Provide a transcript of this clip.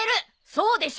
そうでしょ？